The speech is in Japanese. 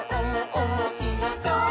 おもしろそう！」